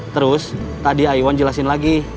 terus tadi iwan jelasin lagi